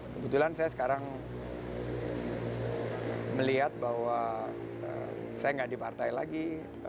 kebetulan saya sekarang melihat bahwa saya nggak di partai lagi